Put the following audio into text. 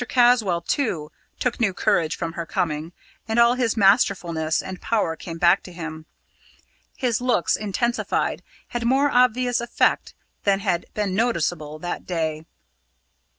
Caswall, too, took new courage from her coming, and all his masterfulness and power came back to him. His looks, intensified, had more obvious effect than had been noticeable that day.